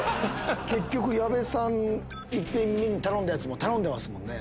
結局矢部さん１品目に頼んだやつも頼んでますもんね。